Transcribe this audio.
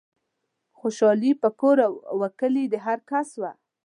خوشحالي په کور و کلي د هرکس وه